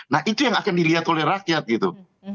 nah itu yang akan dilihat oleh rakyat gitu